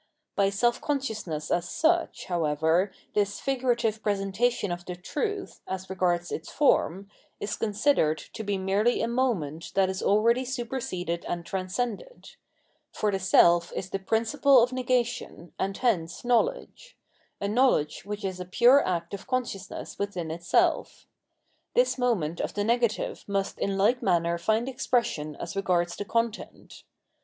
By self consciousness as such, however, this figurative presentation of the truth, as regards its form, is considered to be merely a moment that is already superseded and transcended ; for the self is the principle of negation, and hence knowledge — a knowledge which is a pure act of con sciousness within itself. This moment of the nega 792 Phenomenology of Mind tive must in like manner find expression as regards tke content.